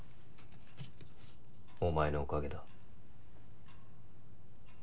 お前のおかげだ。